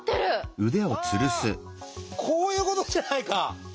こういうことじゃないか？